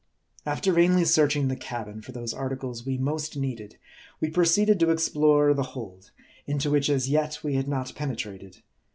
After vainly searching the cabin for those articles we most needed, we proceeded to explore the hold, into which as yet we had not penetrated.